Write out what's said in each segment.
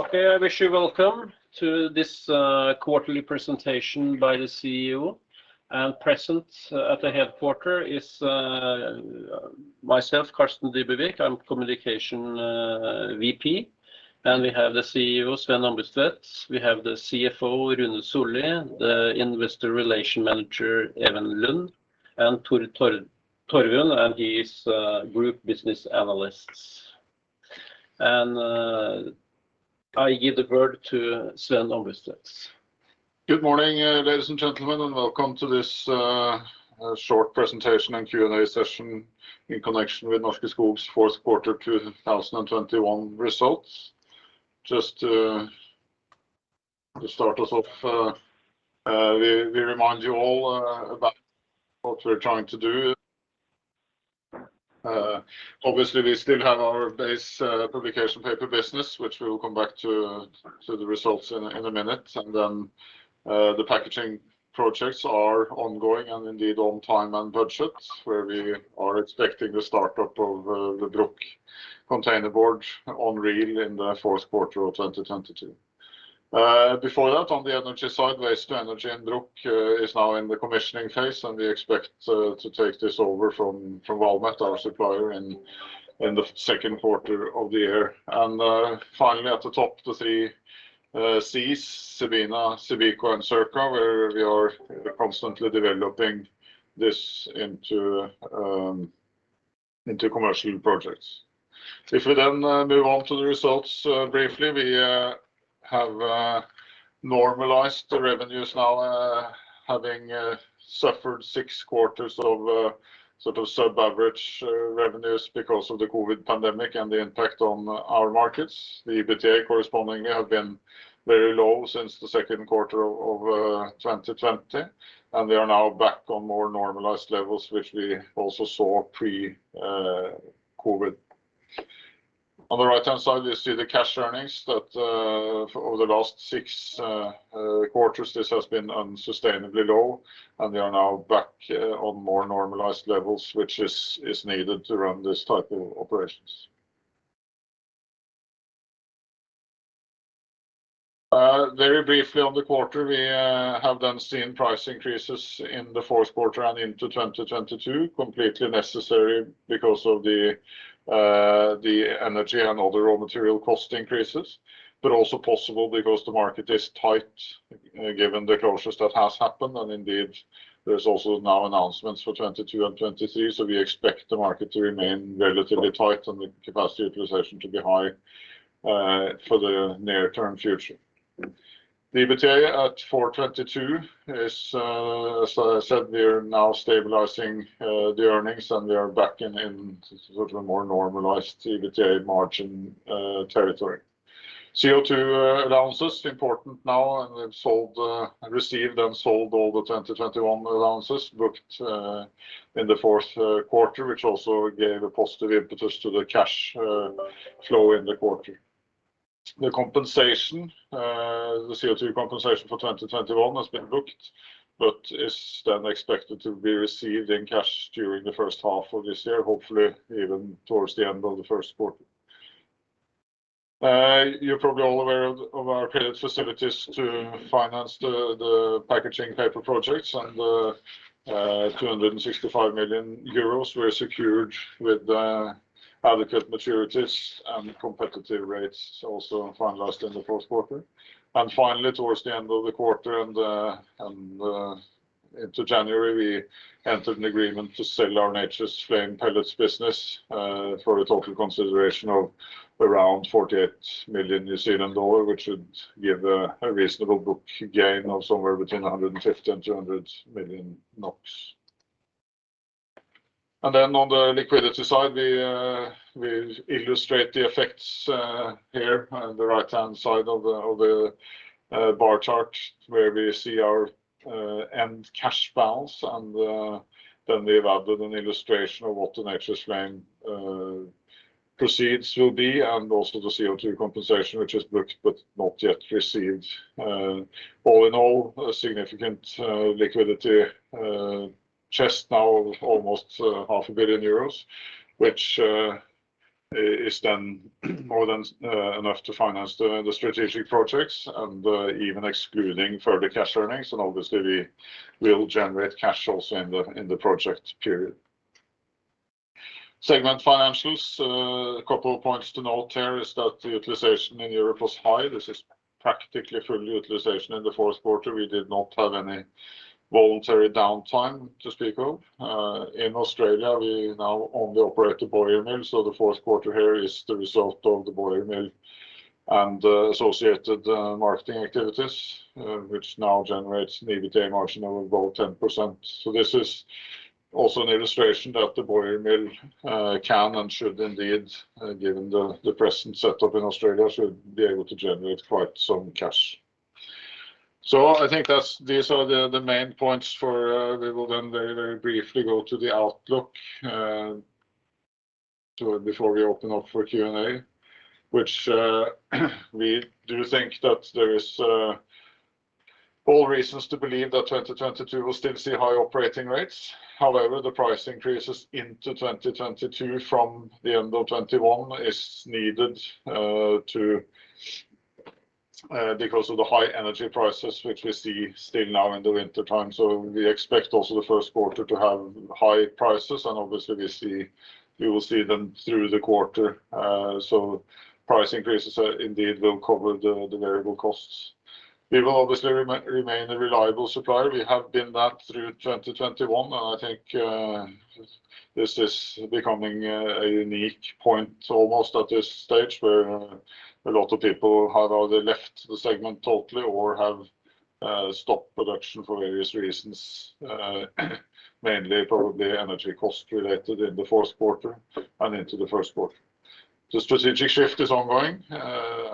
Okay, I wish you welcome to this quarterly presentation by the Chief Executive Officer. Present at the headquarters is myself, Carsten Dybevig. I'm Communication VP. We have the Chief Executive Officer, Sven Ombudstvedt. We have the Chief Financial Officer, Rune Sollie, the Investor Relations Manager, Even Lund, and Tord Steinset Torvund, and he is group business analyst. I give the word to Sven Ombudstvedt. Good morning, ladies and gentlemen, and welcome to this short presentation and Q&A session in connection with Norske Skog's fourth quarter 2021 results. Just to start us off, we remind you all about what we're trying to do. Obviously we still have our base publication paper business, which we will come back to the results in a minute. The packaging projects are ongoing and indeed on time and budget, where we are expecting the startup of the Bruck containerboard online in the fourth quarter of 2022. Before that, on the energy side, waste-to-energy at Bruck is now in the commissioning phase, and we expect to take this over from Valmet, our supplier, in the second quarter of the year. Finally at the top, the three Cs, CEBINA, CEBICO, and Circa, where we are constantly developing this into commercial projects. If we then move on to the results briefly, we have normalized the revenues now, having suffered six quarters of sort of sub-average revenues because of the COVID pandemic and the impact on our markets. The corresponding EBITDA have been very low since the second quarter of 2020, and we are now back on more normalized levels, which we also saw pre-COVID. On the right-hand side you see the cash earnings that, for over the last six quarters, this has been unsustainably low, and we are now back on more normalized levels, which is needed to run this type of operations. Very briefly on the quarter, we have then seen price increases in the fourth quarter and into 2022, completely necessary because of the energy and other raw material cost increases, but also possible because the market is tight given the closures that has happened. Indeed, there's also now announcements for 2022 and 2023, so we expect the market to remain relatively tight and the capacity utilization to be high for the near-term future. The EBITDA at 2022 is, as I said, we are now stabilizing the earnings, and we are back in sort of a more normalized EBITDA margin territory. CO2 allowances are important now, and we've sold, received and sold all the 2021 allowances booked in the fourth quarter, which also gave a positive impetus to the cash flow in the quarter. The compensation, the CO2 compensation for 2021 has been booked but is then expected to be received in cash during the first half of this year, hopefully even towards the end of the first quarter. You're probably all aware of our credit facilities to finance the packaging paper projects and 265 million euros were secured with adequate maturities and competitive rates also finalized in the fourth quarter. Finally, towards the end of the quarter and into January, we entered an agreement to sell our Nature's Flame pellets business for a total consideration of around 48 million New Zealand dollars, which would give a reasonable book gain of somewhere between 150million and 200 million NOK. On the liquidity side, we illustrate the effects here on the right-hand side of the bar chart where we see our end cash balance. We've added an illustration of what the Nature's Flame proceeds will be and also the CO2 compensation, which is booked but not yet received. All in all, a significant liquidity chest now of almost half a billion euros, which is then more than enough to finance the strategic projects and even excluding further cash earnings. Obviously we will generate cash also in the project period. Segment financials, a couple of points to note here is that the utilization in Europe was high. This is practically full utilization in the fourth quarter. We did not have any voluntary downtime to speak of. In Australia, we now only operate the Boyer Mill, so the fourth quarter here is the result of the Boyer Mill and the associated marketing activities, which now generates an EBITDA margin of about 10%. This is also an illustration that the Boyer Mill can and should indeed, given the present setup in Australia, should be able to generate quite some cash. I think that's these are the main points for. We will then very, very briefly go to the outlook before we open up for Q&A, which we do think that there is all reasons to believe that 2022 will still see high operating rates. However, the price increases into 2022 from the end of 2021 is needed too because of the high energy prices which we see still now in the wintertime. We expect also the first quarter to have high prices. Obviously we will see them through the quarter. Price increases indeed will cover the variable costs. We will obviously remain a reliable supplier. We have been that through 2021. I think this is becoming a unique point almost at this stage where a lot of people have either left the segment totally or have stopped production for various reasons, mainly probably energy cost related in the fourth quarter and into the first quarter. The strategic shift is ongoing.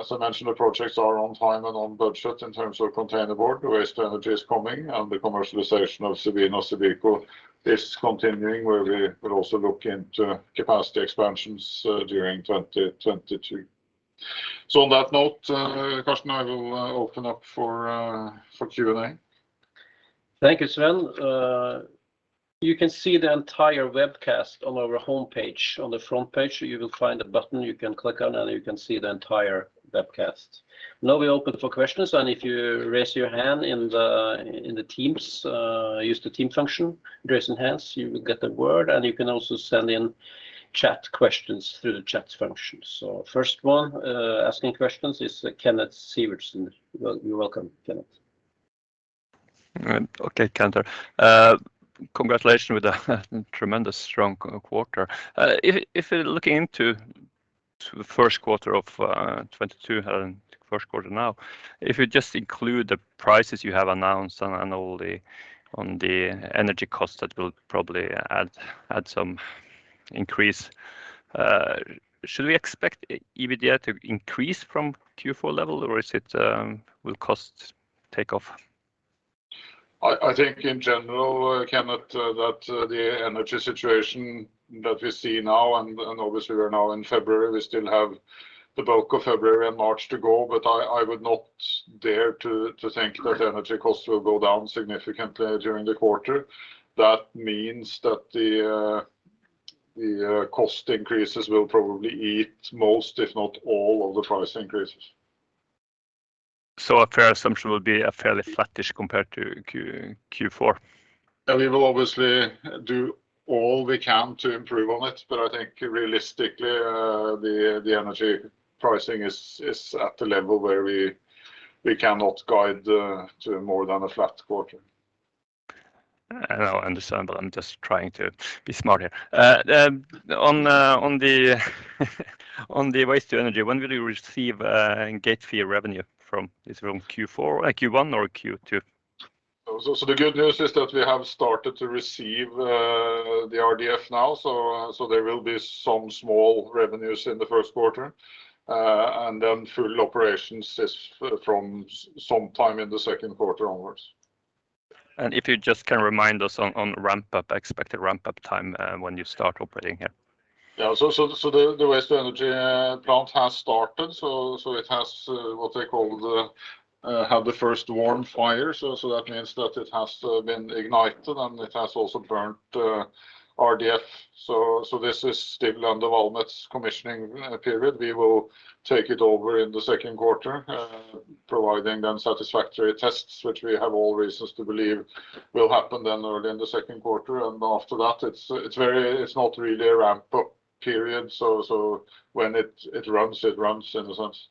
As I mentioned, the projects are on time and on budget in terms of containerboard. Waste to energy is coming and the commercialization of CEBINA, CEBICO is continuing, where we will also look into capacity expansions during 2022. On that note, Carsten, I will open up for Q&A. Thank you, Sven. You can see the entire webcast on our homepage. On the front page, you will find a button you can click on, and you can see the entire webcast. Now we open for questions, and if you raise your hand in the, in the Teams, use the Team function, raise hands, you will get the word. You can also send in chat questions through the chat function. First one asking questions is Kenneth Sivertsen. Welcome, Kenneth. All right. Okay, Sven. Congratulations with a tremendous, strong quarter. If looking into the first quarter of 2022 and first quarter now, if you just include the prices you have announced and all the on the energy cost, that will probably add some increase. Should we expect EBITDA to increase from Q4 level, or is it will costs take off? I think in general, Kenneth, that the energy situation that we see now and obviously we're now in February, we still have the bulk of February and March to go, but I would not dare to think that energy costs will go down significantly during the quarter. That means that the cost increases will probably eat most, if not all, of the price increases. A fair assumption would be a fairly flattish compared to Q4? We will obviously do all we can to improve on it, but I think realistically, the energy pricing is at a level where we cannot guide to more than a flat quarter. No, I understand, but I'm just trying to be smart here. On the waste to energy, when will you receive gate fee revenue from? Is it from Q4, Q1 or Q2? The good news is that we have started to receive the RDF now. There will be some small revenues in the first quarter. Full operations is from some time in the second quarter onwards. If you just can remind us on ramp up, expected ramp up time, when you start operating here? Yeah. The waste to energy plant has started. It has what they call the first warm fire. That means that it has been ignited, and it has also burned RDF. This is still under Valmet's commissioning period. We will take it over in the second quarter, providing them satisfactory tests, which we have all reasons to believe will happen then early in the second quarter. After that, it's not really a ramp-up period. When it runs, it runs, in a sense.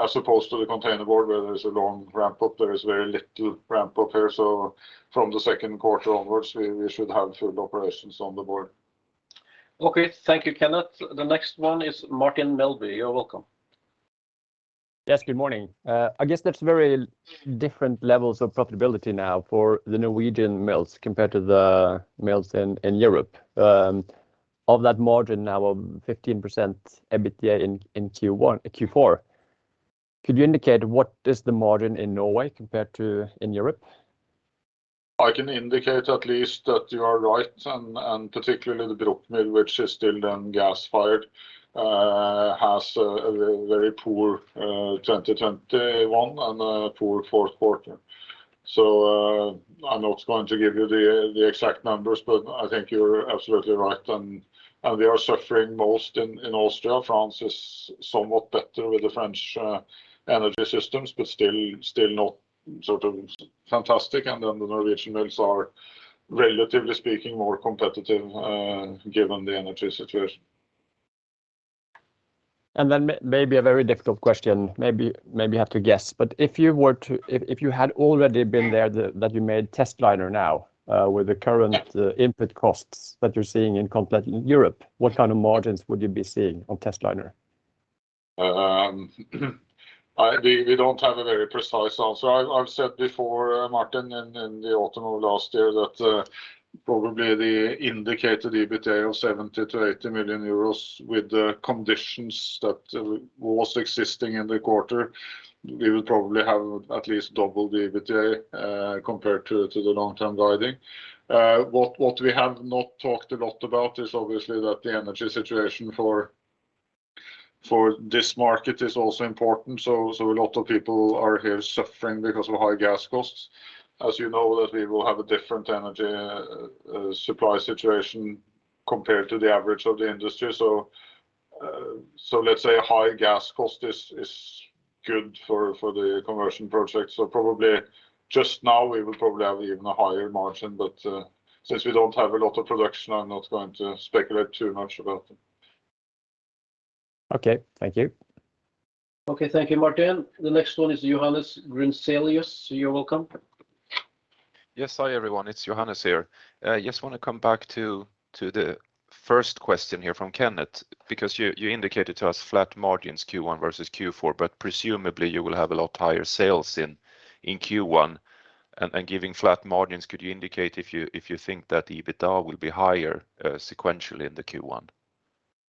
As opposed to the containerboard, where there's a long ramp-up, there is very little ramp-up here. From the second quarter onwards, we should have full operations on the board. Okay. Thank you, Kenneth. The next one is Martin Melbye, you're welcome. Yes. Good morning. I guess that's very different levels of profitability now for the Norwegian mills compared to the mills in Europe. Of that margin now of 15% EBITDA in Q4, could you indicate what is the margin in Norway compared to in Europe? I can indicate at least that you are right and particularly the Bruck mill, which is still then gas-fired, has a very poor 2021 and a poor fourth quarter. I'm not going to give you the exact numbers, but I think you're absolutely right. We are suffering most in Austria. France is somewhat better with the French energy systems, but still not sort of fantastic. Then the Norwegian mills are, relatively speaking, more competitive, given the energy situation. Maybe a very difficult question, maybe you have to guess. If you had already been there, that you made Testliner now, with the current input costs that you're seeing across Europe, what kind of margins would you be seeing on Testliner? We don't have a very precise answer. I've said before, Martin, in the autumn of last year that probably the indicated EBITDA of 70 million-80 million euros with the conditions that was existing in the quarter, we would probably have at least double the EBITDA compared to the long-term guiding. What we have not talked a lot about is obviously that the energy situation for this market is also important. A lot of people are here suffering because of high gas costs. As you know, we will have a different energy supply situation compared to the average of the industry. Let's say high gas cost is good for the conversion project. Probably just now we will probably have even a higher margin, but since we don't have a lot of production, I'm not going to speculate too much about them. Okay. Thank you. Okay. Thank you, Martin. The next one is Johannes Grunselius, you're welcome. Yes. Hi, everyone. It's Johannes here. Just wanna come back to the first question here from Kenneth, because you indicated to us flat margins Q1 versus Q4, but presumably you will have a lot higher sales in Q1. Giving flat margins, could you indicate if you think that EBITDA will be higher sequentially in the Q1?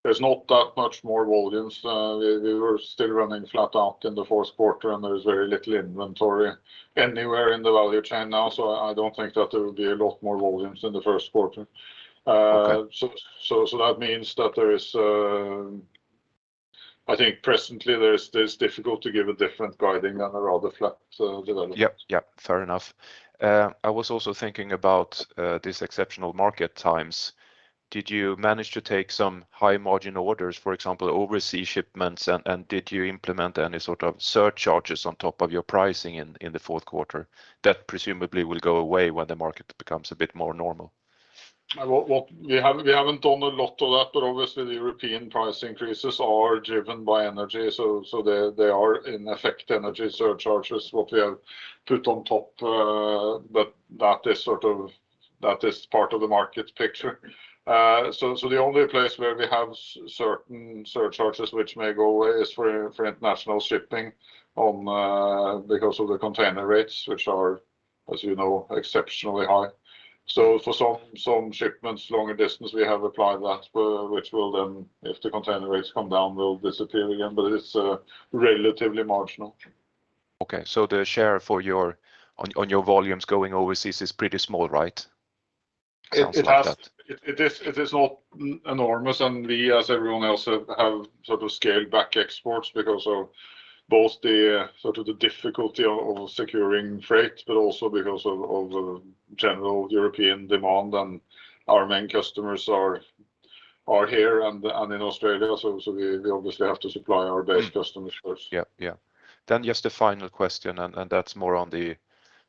There's not that much more volumes. We were still running flat out in the fourth quarter, and there's very little inventory anywhere in the value chain now, so I don't think that there will be a lot more volumes in the first quarter. Okay. That means that there is, I think presently there's that it's difficult to give a different guidance than a rather flat development. Yep. Fair enough. I was also thinking about these exceptional market times. Did you manage to take some high-margin orders, for example, overseas shipments? Did you implement any sort of surcharges on top of your pricing in the fourth quarter that presumably will go away when the market becomes a bit more normal? Well, we haven't done a lot of that, but obviously the European price increases are driven by energy. They are in effect energy surcharges what we have put on top. That is sort of part of the market picture. The only place where we have certain surcharges which may go away is for international shipping because of the container rates, which are, as you know, exceptionally high. Some shipments longer distance we have applied that, which will then, if the container rates come down, will disappear again, but it's relatively marginal. Okay. The share for your on your volumes going overseas is pretty small, right? Sounds like that. It is not enormous, and we, as everyone else, have sort of scaled back exports because of both the sort of difficulty of securing freight, but also because of general European demand. Our main customers are here and in Australia, so we obviously have to supply our base customers first. Yeah, just a final question, and that's more on the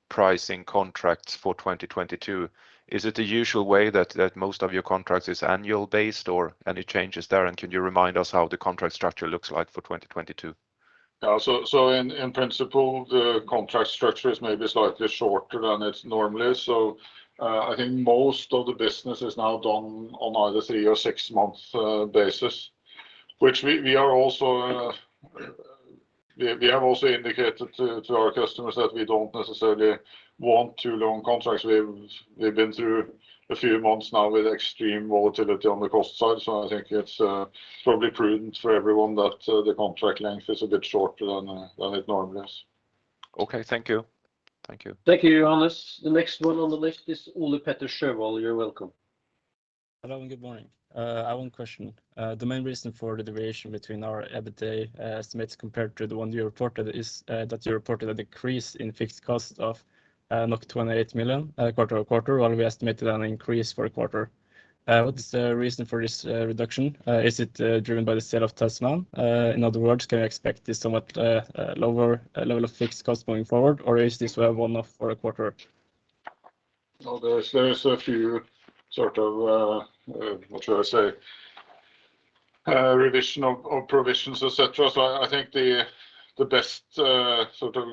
pricing contracts for 2022. Is it the usual way that most of your contracts is annual based, or any changes there? And can you remind us how the contract structure looks like for 2022? Yeah. In principle, the contract structure is maybe slightly shorter than it normally is. I think most of the business is now done on either three- or six-month basis, which we are also. We have also indicated to our customers that we don't necessarily want too long contracts. We've been through a few months now with extreme volatility on the cost side. I think it's probably prudent for everyone that the contract length is a bit shorter than it normally is. Okay. Thank you. Thank you. Thank you, Johannes. The next one on the list is Ole-Petter Sjøvold, you're welcome. Hello, and good morning. I have one question. The main reason for the deviation between our EBITDA estimates compared to the one you reported is that you reported a decrease in fixed cost of 28 million quarter-over-quarter, while we estimated an increase for a quarter. What is the reason for this reduction? Is it driven by the sale of Tasman? In other words, can we expect this somewhat lower level of fixed cost going forward, or is this a one-off for a quarter? No, there's a few sort of revision of provisions, et cetera. I think the best sort of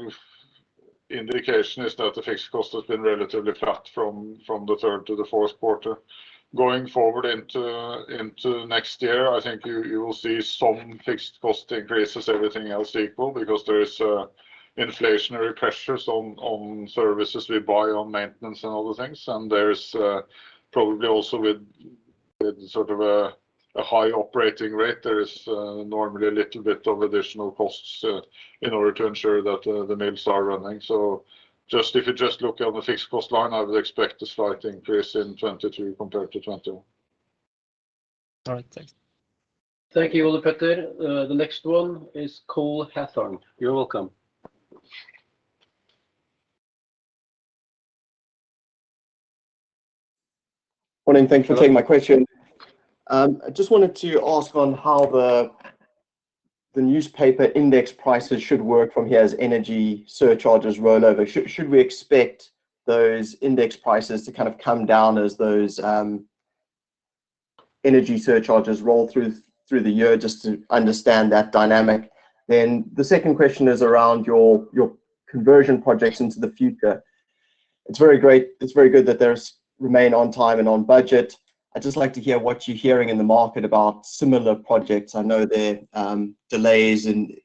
indication is that the fixed cost has been relatively flat from the third to the fourth quarter. Going forward into next year, I think you will see some fixed cost increases, everything else equal, because there is inflationary pressures on services we buy on maintenance and other things. There's probably also with sort of a high operating rate, there is normally a little bit of additional costs in order to ensure that the mills are running. If you just look on the fixed cost line, I would expect a slight increase in 2023 compared to 2021. All right. Thanks. Thank you, Ole-Petter Sjøvold. The next one is Cole Hathorn, you're welcome. Morning? Thanks for taking my question. I just wanted to ask on how the newsprint index prices should work from here as energy surcharges roll over. Should we expect those index prices to kind of come down as those energy surcharges roll through the year? Just to understand that dynamic. The second question is around your conversion projects into the future. It's very good that they remain on time and on budget. I'd just like to hear what you're hearing in the market about similar projects. I know there are delays in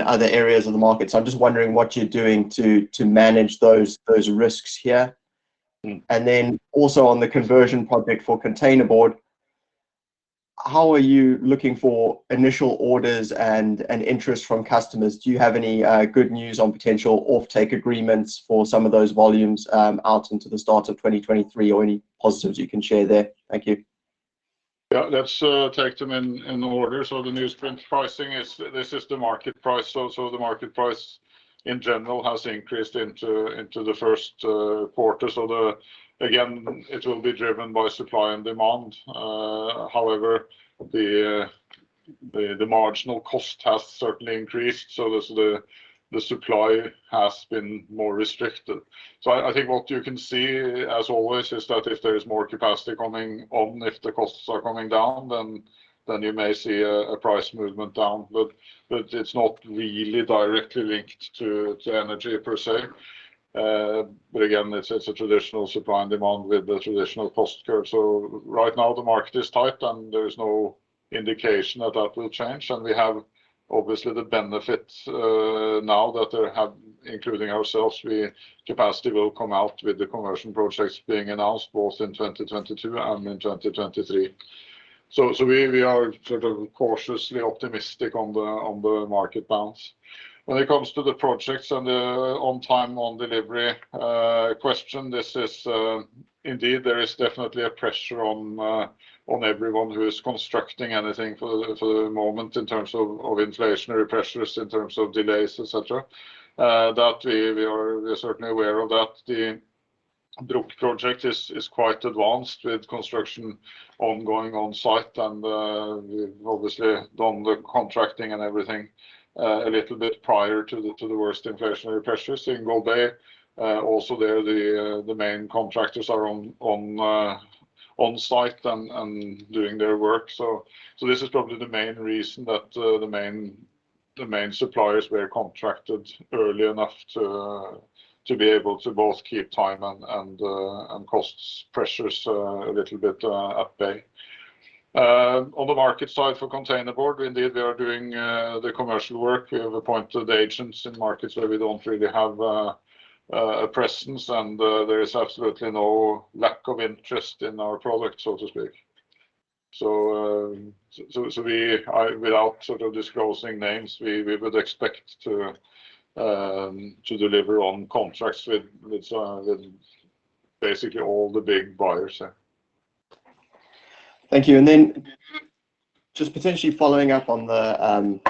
other areas of the market, so I'm just wondering what you're doing to manage those risks here. Mm. Then also on the conversion project for containerboard, how are you looking for initial orders and interest from customers? Do you have any good news on potential offtake agreements for some of those volumes out into the start of 2023, or any positives you can share there? Thank you. Yeah, let's take them in order. The newsprint pricing is. This is the market price. The market price in general has increased into the first quarter. Again, it will be driven by supply and demand. However, the marginal cost has certainly increased. The supply has been more restricted. I think what you can see as always is that if there is more capacity coming on, if the costs are coming down, then you may see a price movement down. It's not really directly linked to energy per se. Again, it's a traditional supply and demand with the traditional cost curve. Right now the market is tight, and there is no indication that will change. We have obviously the benefit now that capacity will come out with the conversion projects being announced both in 2022 and in 2023. We are sort of cautiously optimistic on the market balance. When it comes to the projects and the on time, on delivery question, this is indeed there is definitely a pressure on everyone who is constructing anything for the moment in terms of inflationary pressures, in terms of delays, et cetera. We are certainly aware of that. The Bruck project is quite advanced with construction ongoing on site. We've obviously done the contracting and everything a little bit prior to the worst inflationary pressures. In Golbey, also there, the main contractors are on site and doing their work. This is probably the main reason that the main suppliers were contracted early enough to be able to both keep time and cost pressures a little bit at bay. On the market side for containerboard, indeed we are doing the commercial work. We have appointed agents in markets where we don't really have a presence, and there is absolutely no lack of interest in our product, so to speak. We are without sort of disclosing names, we would expect to deliver on contracts with basically all the big buyers. Thank you. Just potentially following up on the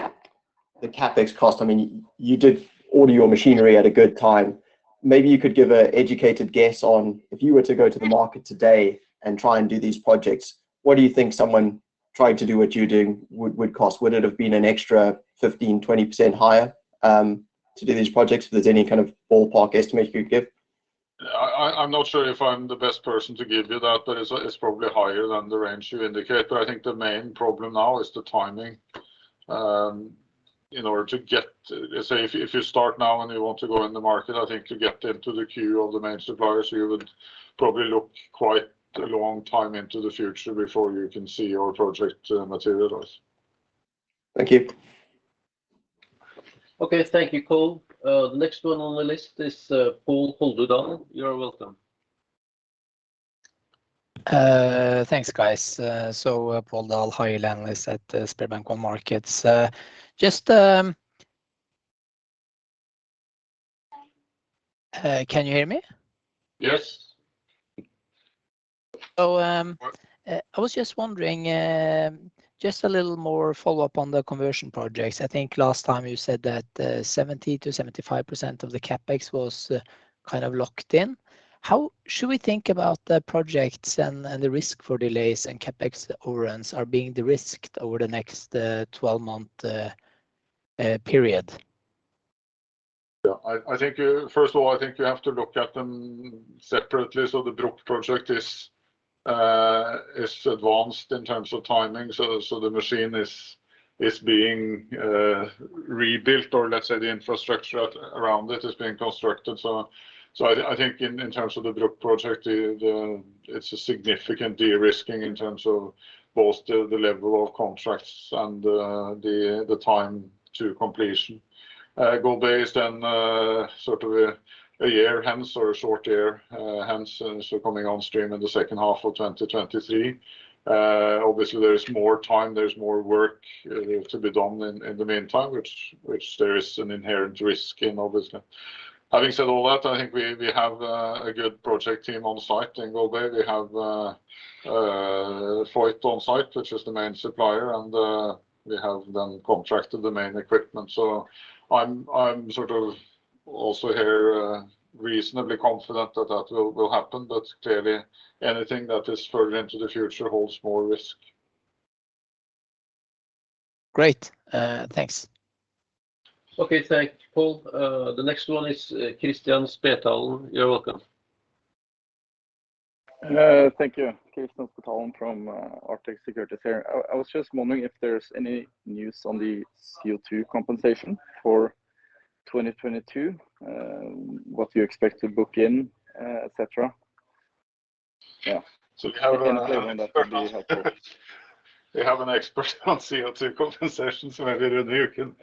CapEx cost. I mean, you did order your machinery at a good time. Maybe you could give an educated guess on if you were to go to the market today and try and do these projects, what do you think someone trying to do what you're doing would cost? Would it have been an extra 15%-20% higher to do these projects? If there's any kind of ballpark estimate you could give. I'm not sure if I'm the best person to give you that, but it's probably higher than the range you indicate. I think the main problem now is the timing. Say if you start now, and you want to go in the market, I think to get into the queue of the main suppliers, you would probably look quite a long time into the future before you can see your project materialize. Thank you. Okay. Thank you, Cole. Next one on the list is Pål Holdudal, you're welcome. Thanks, guys. Pål Holdudal, High Yield Analyst at SpareBank 1 Markets. Can you hear me? Yes. So, um- Yes. I was just wondering, just a little more follow-up on the conversion projects. I think last time you said that, 70%-75% of the CapEx was kind of locked in. How should we think about the projects and the risk for delays and CapEx overruns are being de-risked over the next 12-month period? Yeah. I think first of all, I think you have to look at them separately. The Bruck project is advanced in terms of timing. The machine is being rebuilt or let's say the infrastructure around it is being constructed. I think in terms of the Bruck project, it's a significant de-risking in terms of both the level of contracts and the time to completion. Golbey is then sort of a year hence or a short year hence. Coming on stream in the second half of 2023. Obviously there is more time, there's more work to be done in the meantime, which there is an inherent risk in obviously. Having said all that, I think we have a good project team on site in Golbey. We have Voith on site, which is the main supplier, and we have then contracted the main equipment. I'm sort of also here reasonably confident that will happen. Clearly anything that is further into the future holds more risk. Great. Thanks. Okay. Thank you, Pål. The next one is Kristian Spetalen, you're welcome. Thank you. Kristian Spetalen from Arctic Securities here. I was just wondering if there's any news on the CO2 compensation for 2022. What do you expect to book in et cetera? We have an Anything on that would be helpful. We have an expert on CO2 compensation, so maybe Rune, you can.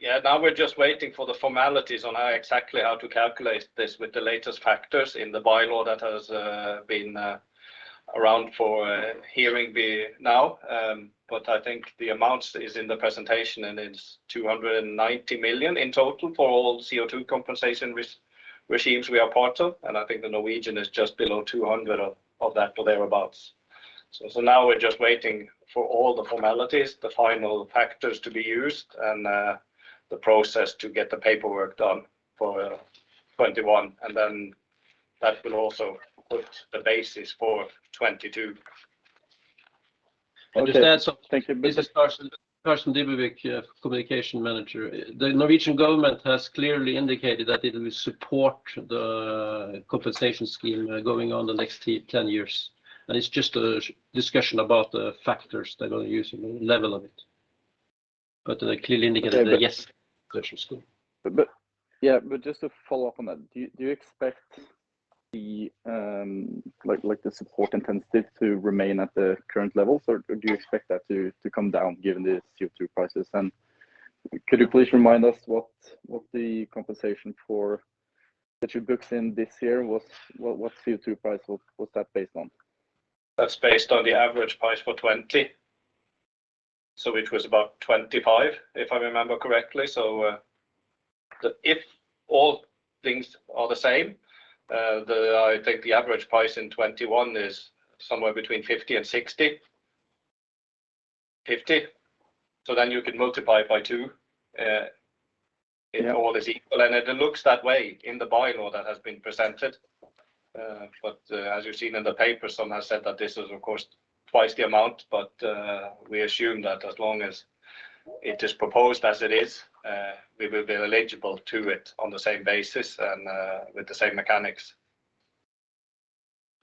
Yeah. Now we're just waiting for the formalities on how exactly to calculate this with the latest factors in the bylaw that has been around for a year by now, but I think the amount is in the presentation, and it's 290 million in total for all CO2 compensation regimes we are part of, and I think the Norwegian is just below 200 million of that or thereabouts. Now we're just waiting for all the formalities, the final factors to be used, and the process to get the paperwork done for 2021, and then that will also put the basis for 2022. Okay. Understand so- Thank you. This is Carsten Dybevig, Communication Manager. The Norwegian government has clearly indicated that it will support the compensation scheme, going on the next ten years, and it's just a discussion about the factors they're gonna use and the level of it. They clearly indicated that, yes. Okay. The scheme. Just to follow up on that, do you expect the like the support intensity to remain at the current level, or do you expect that to come down given the CO2 prices? Could you please remind us what the compensation for that you booked in this year was? What CO2 price was that based on? That's based on the average price for 2020, which was about 25, if I remember correctly. If all things are the same, I think the average price in 2021 is somewhere between 50 and 60. Then you can multiply it by two. Yeah... if all is equal, and it looks that way in the bylaw that has been presented. But as you've seen in the paper, some have said that this is, of course, twice the amount, but we assume that as long as it is proposed as it is, we will be eligible to it on the same basis and with the same mechanics.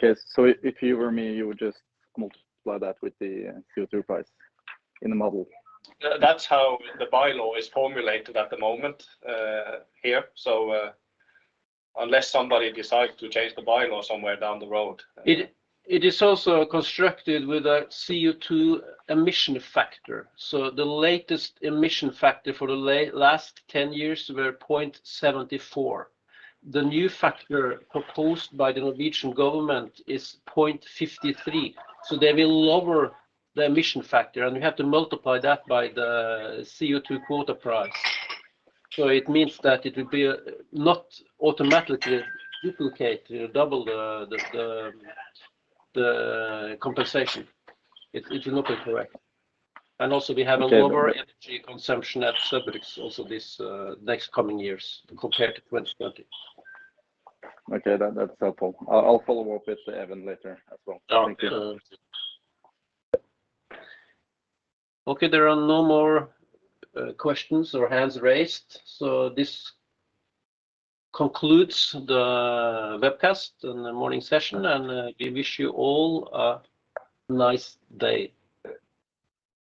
Okay. If you were me, you would just multiply that with the CO2 price in the model? That's how the bylaw is formulated at the moment, here, so, unless somebody decides to change the bylaw somewhere down the road. It is also constructed with a CO2 emission factor, so the latest emission factor for the last ten years were 0.74. The new factor proposed by the Norwegian government is 0.53, so they will lower the emission factor, and we have to multiply that by the CO2 quota price. It means that it will be not automatically duplicate, you know, double the compensation. It will not be correct. Also we have a Okay. Lower energy consumption at Saugbrugs also this next coming years compared to 2020. Okay. That's helpful. I'll follow up with Even later as well. Oh. Thank you. Okay. There are no more questions or hands raised, so this concludes the webcast and the morning session, and we wish you all a nice day.